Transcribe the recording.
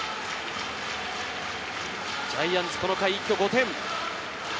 ジャイアンツこの回、一挙５点。